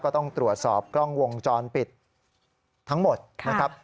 ก็ต้องตรวจสอบกล้องวงจรปิดทั้งหมดนะครับ